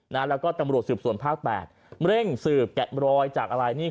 แล้วก็ตำรวจสืบสวนภาคแปดเร่งสืบแกะรอยจากอะไรนี่